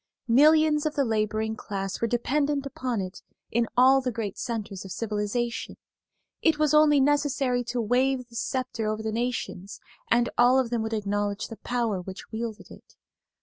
Millions of the laboring class were dependent upon it in all the great centers of civilization; it was only necessary to wave this sceptre over the nations and all of them would acknowledge the power which wielded it.